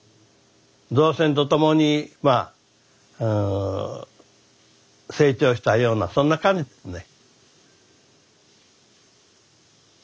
造船と共にまあうん成長したようなそんな感じですね。